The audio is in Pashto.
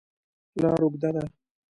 لاره اوږده ده.